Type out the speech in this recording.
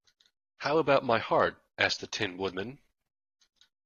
How about my heart? asked the Tin Woodman.